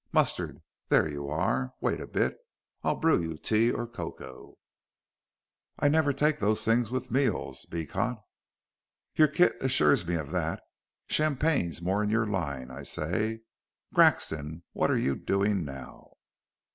Mustard, there you are. Wait a bit. I'll brew you tea or cocoa." "I never take those things with meals, Beecot." "Your kit assures me of that. Champagne's more in your line. I say, Grexon, what are you doing now?"